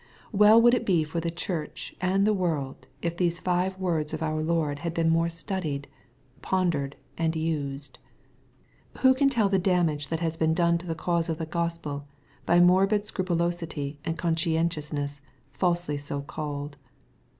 '* Well would it be for the church and the world, if these five words of our Lord had been more studied, pondered, and used ! Who can tell the damage that has been done to the cause of the Gospel, by morbid scru pulosity, and conscientiousness, falsely so called